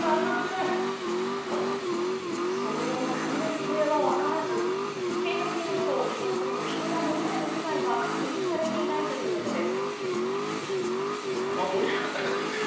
その後のクマの行方は分からず警察によると今のところ人や物への被害は確認されていないということです。